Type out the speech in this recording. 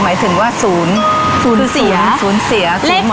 หมายถึงว่าศูนย์ศูนย์เสียศูนย์เสียศูนย์เหมือนทุกอย่าง